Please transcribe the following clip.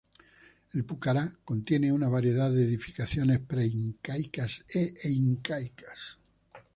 El pucará contiene una variedad de edificaciones preincaicas e incaicas.